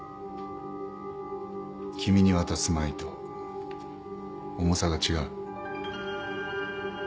君に渡す前と重さが違う。